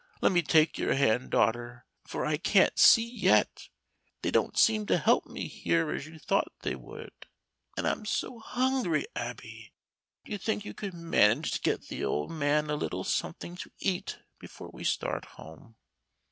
Let me take your hand, daughter, for I can't see yet. They don't seem to help me here as you thought they would. And I'm so hungry, Abby! do you think you could manage to get the old man a little something to eat before we start home?"